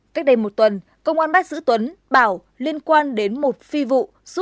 cách đây một tuần công an bác sứ tuấn bảo liên quan đến một phi vụ